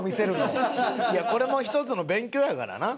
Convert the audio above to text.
いやこれも一つの勉強やからな。